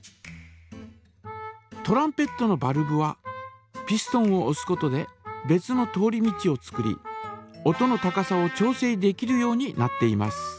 トランペットのバルブはピストンをおすことで別の通り道を作り音の高さを調整できるようになっています。